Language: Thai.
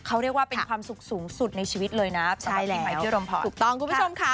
เขาเรียกว่าเป็นความสุขสูงสุดในชีวิตเลยนะสำหรับปีใหม่พี่รมพรถูกต้องคุณผู้ชมค่ะ